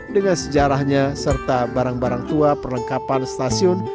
dengan sejarahnya serta barang barang tua perlengkapan stasiun